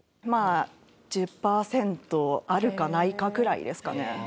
まあ１０パーセントあるかないかくらいですかね。